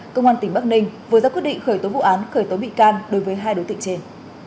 công an tỉnh bắc ninh vừa ra quyết định khởi tố vụ án khởi tố bị can đối với hai đối tượng trên